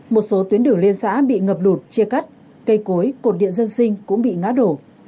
một số tuyến đường liên xã bị ngập lụt chia cắt cây cối cột điện dân sinh cũng bị ngã đổ